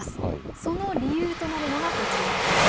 その理由となるのがこちらです。